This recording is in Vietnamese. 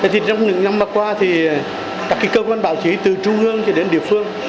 trong những năm qua các cơ quan báo chí từ trung ương đến địa phương